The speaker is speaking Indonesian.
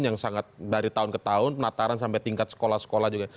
yang sangat dari tahun ke tahun penataran sampai tingkat sekolah sekolah juga